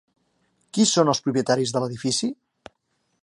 Qui són els propietaris de l'edifici?